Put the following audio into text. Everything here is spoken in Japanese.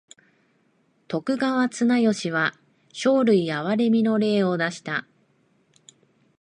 徳川綱吉は生類憐みの令を出した。